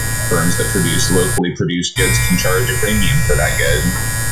Firms that produce locally produced goods can charge a premium for that good.